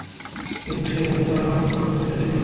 কিন্তু যেই শব্দটা আরও আগে পাওয়ার কথা ছিল, সেটি আমরা পাইনি।